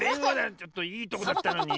ちょっといいとこだったのに。